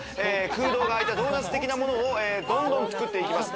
空洞が空いたドーナツ的なものをどんどん作っていきます。